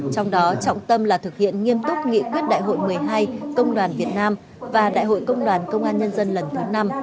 trong đó trọng tâm là thực hiện nghiêm túc nghị quyết đại hội một mươi hai công đoàn việt nam và đại hội công đoàn công an nhân dân lần thứ năm